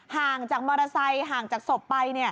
ห่างจากมอเตอร์ไซค์ห่างจากศพไป